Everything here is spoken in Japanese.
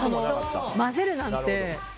混ぜるなんて。